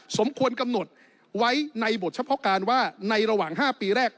สมควรกำหนดไว้ในบทเฉพาะการว่าในระหว่าง๕ปีแรก